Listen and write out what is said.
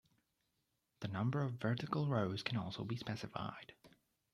The number of vertical rows can also be specified.